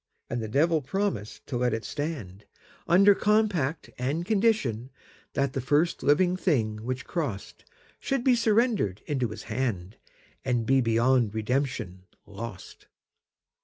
And the Devil promised to let it stand, Under compact and conditionThat the first living thing which crossedShould be surrendered into his hand, And be beyond redemption lost.